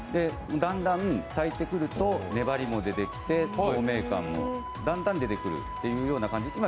だんだん炊いてくると粘りも出てきて、透明感もだんだん出てくるというような感じ。